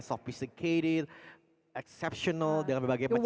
sofistikasi luar biasa dengan berbagai budaya